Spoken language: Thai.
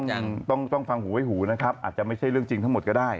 ยังต้องฟังหูไว้หูนะครับอาจจะไม่ใช่เรื่องจริงทั้งหมดก็ได้